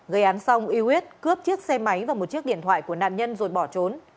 gây án xong uy huyết cướp chiếc xe máy và một chiếc điện thoại của nạn nhân rồi bỏ trốn